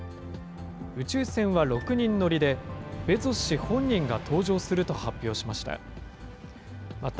宇宙船は６人乗りで、ベゾス氏本人が搭乗すると発表しました。